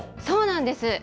そうなんです。